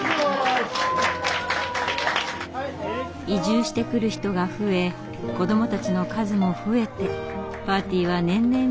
移住してくる人が増え子どもたちの数も増えてパーティーは年々にぎやかに。